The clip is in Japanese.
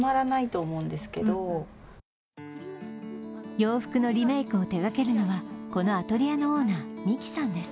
洋服のリメークを手がけるのはこのアトリエのオーナー、みきさんです。